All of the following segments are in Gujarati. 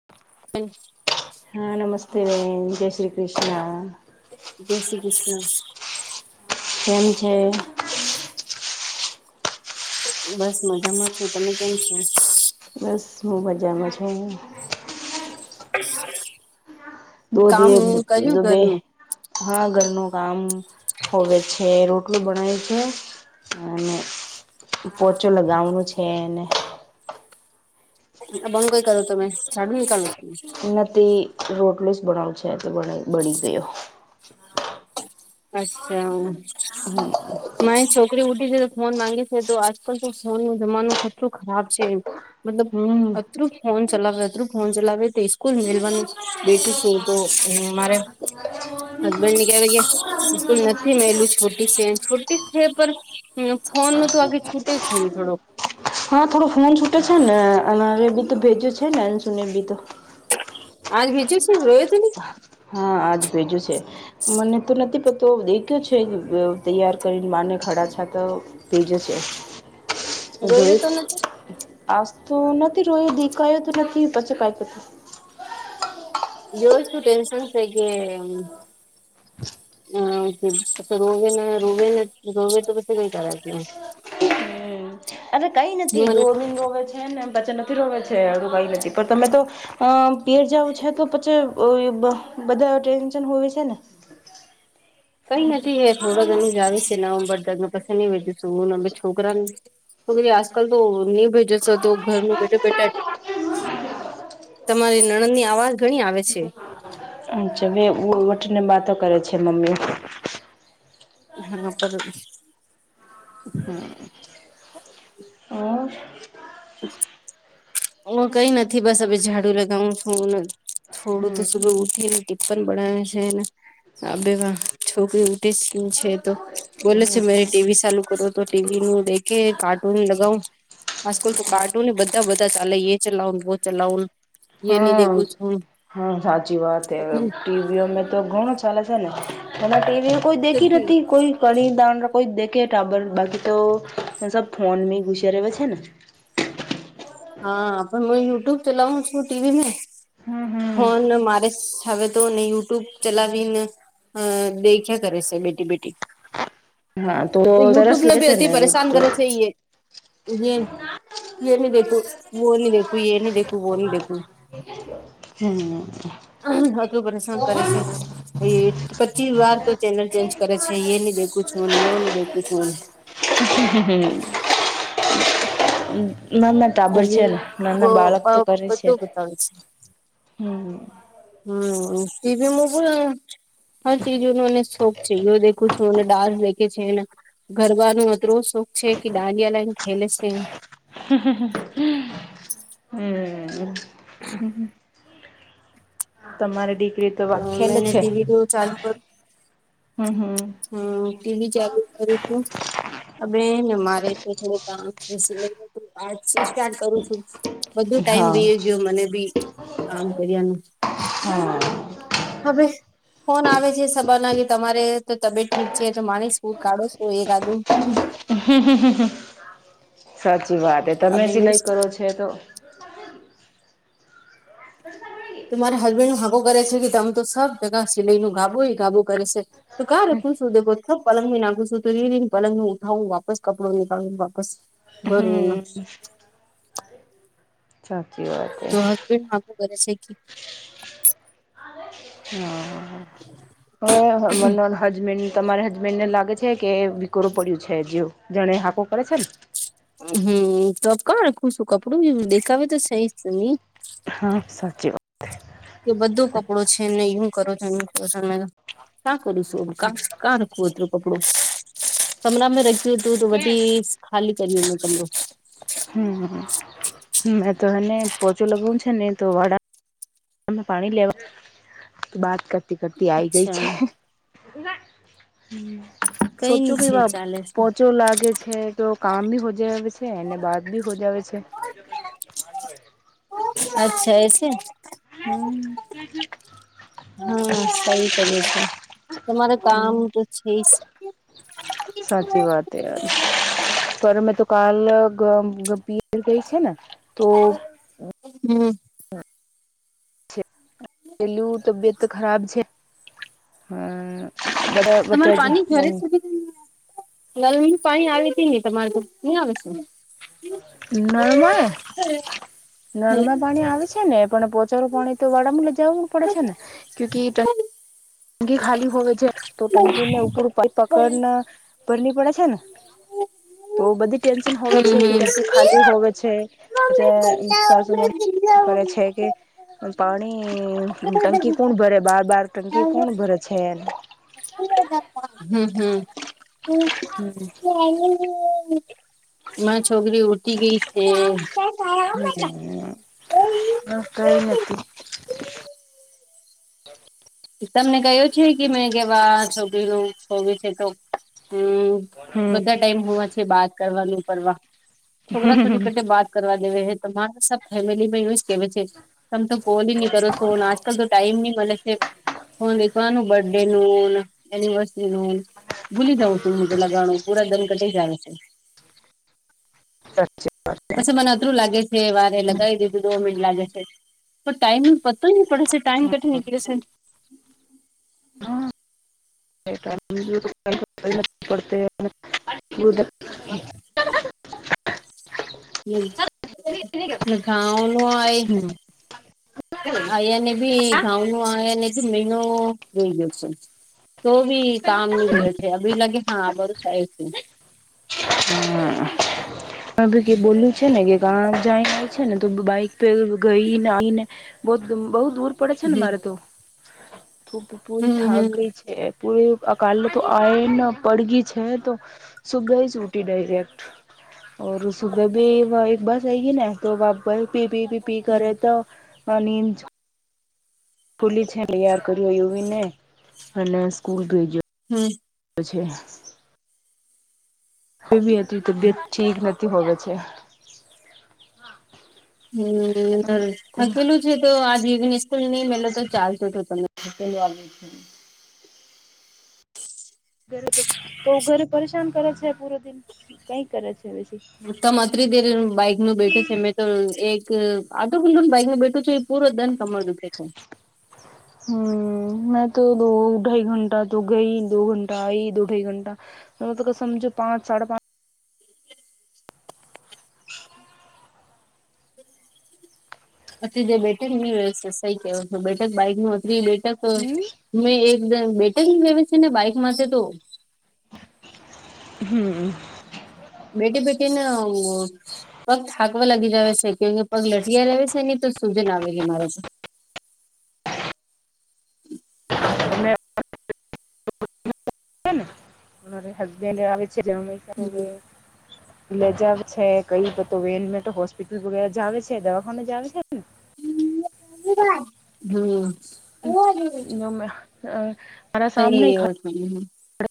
[inaudible] [inaudible] હા નમસ્તે બેન જય શ્રી કૃષ્ણ જય શ્રી કૃષ્ણ કેમ છે બસ મજામાં છું તમે કેમ છો બસ હું મજામાં છુ હ [unintelligible] દોધ બે ઘરનું હા ઘરનું કામ હોવે છે. આટલું બનાય છે અને પોચો લગાવનું છે. પણણું કઈ કરો તમે જાડું નીકળવ ત નથી રોટલેસ બનાવું છે એટલે બ બળી ગયો ઠ [inaudible] અચ્છા હમ મારી છોકરી ઉઠી છે તો ફોન માંગે છે તો આજકાલ તો ફોન ન જમાનું ખટરું ખરાબ છે મતલબ હમ અતરુ ફોન ચલાવે અતરું ફોન ચલાવે તો સ્કૂલ મેલવાનું બેઠું છું તો મારે હ હસબેન્ડ ને કેવાય કે બકુલ નથી મેલું છોટી છે છોટી છે પણ હ ફોન ન તો આગે છૂટે જ છે થોડોક હા થોડો ફોન છૂટે છે ને અમારે બી તો ભેજ્યો છે ને બી તો આજ બીજ રોય ત નને હા આજ ભેજયો છે મને તો નથી પતો દેખ્યો છે તૈયાર કરીને માને ખડાછા તો તેજ છે રોયો દયિત તો નથી આસ તો નથી રોય દેખાયું તો નથી પછી કઈકતું યોસું ટેનસન હછ રોવે રોવે રોવે તો કસ કઈ કર છે હમ [unintelligible] અરે કઈ નથી મને દોમિન રોવે છે ને બચન નથી રોવે છે અડું કઈ નથી પણ તમે તો અ પિર જવું છે તો પછી બધા ટેન્શન હોય છે ને કઈ નથી થોડા જણ જ આવે છે હું બદા ન પછ નહીંશું હું છોકરાને વેરે આજકાલ તો નહીં ભેજે તો ઘરનું બેઠા બેટા તમારી નણદ ની અવાજ ઘણી આવે છે અચછા હ વઠને વાતો કરે છે મમી હા પ [unintelligible] હમ હ હું કઈ નથી બસ હવે ઝાડુ લગાવું છું થોડું તો હમ સુગર ઉઠીને ટિપપન બનાવે છેને હા બેવા છોકરી ઉઠી જ છે તો બોલે છે મારે હમ ટીવી ચાલુ કરો તો ટીવી નું દે કે કાર્ટૂન લગાઓ. બિલકુલ તો કાર્ટુ એ બધા બધા ચાલે એ ચલાવો વો ચલાવ. હમ હા સાચી વાત હે ટીવીઓ મેં તો ઘણો ચાલે છે ને હણા ટીવી કોઈ દેખી નથી કોઈ કણી દા કોઈ દે ટાબર બાકી તો સબ ફોન ઘુસેરે વે છે ને હા પણ યુટ્યુબથી ચલાઉ છું ટીવી નઈ હા હા. ફોન મારે હવે તો નને યુટ્યુબ ચલાવીને હ દેખ્યા કરે છે બેટી બેટી. હા તો સરસ યુટ્યુબ ને લાગે બી છે અતિ એ પરેશાન તો. કરે છે. ઇએ તું એની દેખું મુ ઓની દેખું ઇ એની દે તું કોની દેખું હમ [unintelligible] પરેશાન કરે છે એ પચીસ વાર તો એ ચેનલ ચેન્જ કરે છે એ નહી દેખું છું ને ઈયની દેખું છું ન [inaudible] [inaudible] ના ના ટાબર છે ને નાના બાળક તો કરે છે બધું ને. બતાવે હમ્મ. હમ્મ ટી. વી. મુકુ ન હર ચીઝ [unintelligible] છે ઓ દેખું છુંને ડાન્સ દેખે છે ન ગરબનો અતરો શોખ છે કે દાંડિયા લાઈને ખેલે છે. હમ્મ અ તમારી દીકરી તો વકેેલ મેને છે ટીવી તો હમ્મ હમ્મ. હા ટીવી ચાલુ કર્યું તુ અબે હેન મારે તો થોડું કામ છે સિલાઈ નું આજથી સાર્ટટ કરું છું બધું ટાઈમ હા વિયો ગયો મને બી કામ કર્યા નું. હા હવે ફોન આવે છે સબેનાની તમારે તો તબિયત ઠીક છે તો માની સ્કૂ કાઢો છું એકાદું સાચી વાત હે આ તમે બે મિસ સિલાઈ કરો છે એ તો તો મારા હસબેન્ડ ન હગું કરે છે કે તમે તો સબ જગા સિલાઈ નું ગાબુ ગાબું કરે છે. તો કા શું દે [unintelligible] પલંગ નાખું છું તો રીને પલંગ નું ઉઠાવું વાપસ કપડો નીકળવું વાપસ ભરું હમ્મ. સાચી વા તો હસબેન્ડ માગુ કરે છે કે હ અ. હવે મન હજબેન્ડ તમારે હજબેન્ડ ને લાગે છે કે વિકોરુ પડ્યું છે જે જણે હાકો કરે છે ને હમ્મ તો કોણખું શું કપડું દેખાવે તો છે જ નહી. હા સાચી વાત. કે બધો કપડો છે ને હું કરો છો ને કરો છો કા કરીશું કા કપડુ કમરામાં રાખ્યું હતું તો વડી ખાલી કરિયો કમરો હમ્મ એ તો એને પોચેલો બઉ છે ને તો વડા ત પાણી લેવા બાત કરતી કરતી આઈ ગઈ અચ્છા છે. કઈ સોચો ની કે છે વા ચાલે છે પોત ચો લાગે છે તો કામ બી હો જાવે છે એને બાદ બી હોજાવે છે. અચ્છા એસે. હમ્મ. હમ્મ સહી કર્યું છે તમારે હમ કામ તો છે. [unintelligible] પરમે તો કાલ ગપીયર ગઈ છે ને તો હમ્મ. પેલું તબિયત તો ખરાબ છે હમ્મ તમારે પાણી ઘરે [unintelligible] નલમી પાણી આવે તે ની તમારે તો ફૂલ આવે છે નળ માય નલમાં પાણી આવે છે ને પણ પોચારું પાણી તો વાડામ લઈ જવું પડે છે ને ક્યુકી ત ટંકી ખાલી હોય છે તો ટંકી ને ઉપર પકડને ભરની પડે છે ને તો બધી ટેન્શન હોવે છે કે ટેન્શન ખાલી હોવે છે પછ એ શું કરે છે કે અન પાણી ટંકી કુણ ભરે બાર બાર ટંકી કુણ ભરે છે [inaudible] હમ હમ હમ [inaudible] મા છોકરી ઉઠી ગઈ છે હા કઈ ન શીતલ ને કહ્યો છે કે મેં કેવા છોકરી નું હોબી છે તો હમ હમ બધા ટાઈમ હોવા છે બાત કરવાનું કરવા છોકરા છોરી પટે બાત કરવા દેવે હે તો મારે સા ફેમિલી મેં એવુ જ કેવે છે તમ તો કોલ બીની કરો સો આજ કલ તો ટાઈમ બીની મળે છે હ દેખવાનું બર્થડે નું એનિવર્સરી નું ભૂલી જઉં છું મોજું લગાણું પુરા દન કટી જ આવે છે [unintelligible] પછી મને અતરું લાગે છે વારે લગાવી દીધું દો મિનિટ લાગે છે તો ટાઈમ પતો ન પડે છે ટાઈમ કથ નીકળે છે [unintelligible] હમ ખાઉ ન હોય આયા ને બી ઘાઉં નું આયાને બી મહિનો જોઈ લે છે તો બી કામ ની ગ છે બી લાગે હા બધું થાય છે હ [unintelligible] છે ને કે ક જાયને છે ને તો બાઈક પે ગઈને આવીને બ દુ બહું દૂર પડે છે ને હમ મારે તો પૂરી થક હમ ગઈ છે પૂરે અ કાલ તો આવેને પડગી છે તો સુબે જ ઉટી ડાયરેક્ટ ઓર સુબે બી વાઇ બસ આ ગ ને તોપ બસ પી પી પી પી કરે તો અની જ ખુલી છે તૈયાર કર્યો વીને અને સ્કૂલ ભેજયો હમ છે કોબી હતી તબિયત ઠીક નથી હોવે છે હમ થકેલું જ તો આજ વિગની સ્કૂલ નઈ મેલો તો ચાલતું હતું તમેં થકેલી [inaudible] ઘરે તો તો ઘરે પરેશાન કરે છે પૂરો દિન કઈ કરે છે વેસી તમ અત્રી દેર બાઈક નું બેઠું છે મેં તો એક આતું બીલું બૈકનું બેઠું છે પૂરો દિન કમર દુખે છે [inaudible] હમ મેં તો દો ઢાઈ ઘંટા તો ગઈ દો ઘંટા આઈ દો ઢાઈ ઘંટા [unintelligible] સમજો પાંચ સાડા પાં અત જે બેઠક ની વ્યવસ્થા સઈ કેવ બેઠક બાઈક નું અતરી બેઠક હમ મેં એકદમ બેટર લવી છે ને બાઈકમાં છે તો હમ બેટે બેટે ના પગ થાકવા લાગી જ છે કેકે પગ લટિયા રહે છે નહી તો સુજન આવેલી છે મારે છે [unintelligible] હસબેંડ આવે છે [unintelligible] લેજાવ છે કઈ બધ વેનમે હોસ્પિટલ વગેરે જ આવે છે દવાખાને જ આવે છે. હમ. હ. સઈ. પ.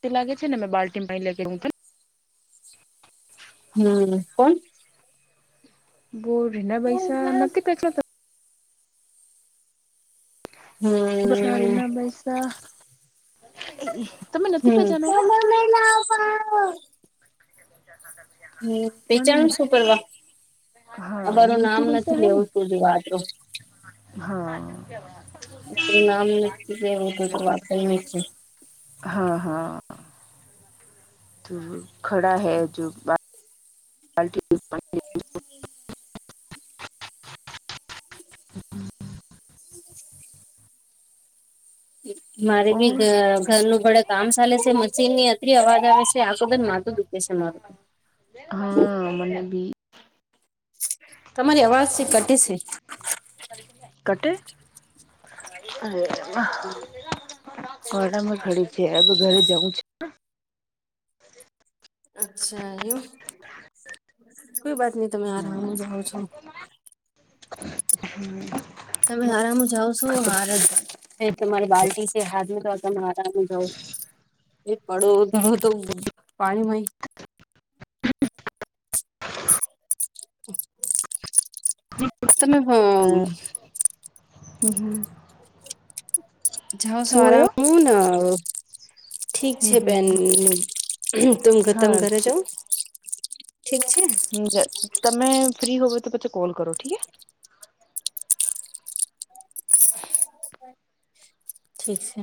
તે લાગે છે ને મેં બાલ્ટન પા લગે હું. [inaudible] હમ કોણ બો રીના પૈસા હમ નથી [unintelligible] બાર એના પૈસા હમ. હમ મને પેચાણ શું કરવા હા અમારું નીતુ નામ પૈસા નથી હે ને લેવતું જો વાતરુ હા. તું નામ લક્કી કે એવું તું તું વાત નથી. હા હા તો ખડાા હૈ જો. [inaudible] એ. મારે બી ઓર ઘરનું બડે કામ ચાલે છે મશીન ની અતરી અવાજ આવે છે આખું બ મા. કેશ. હા મને બી. તમારી અવાજ છે કટી છે. કટે. હમ. ઘડામાં ખડી છે ઘરે જવું છે. અચ્છા એમ કોઈ વાત નઈ તમે આરામ જાઓ છો. હમ. તમે હરામાં જાઓ છો હાર જ તમારી બાલ્ટી છે હાથ તો તમે. જ એ પડોો તો પાણીમાંય. હ. તમે હ. હમ હમ. જાાવ છો શું હોયો આરામન. ઠીક હમ છે બેન હમ તમ ગતમ હા ઘરે ઠીક જાવ. ઠીક છે. હ તમે ફ્રી હોવે તો પછો કોલ કરો ઠીકે. ઠીક છે.